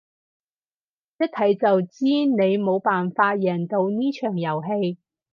一睇就知你冇辦法贏到呢場遊戲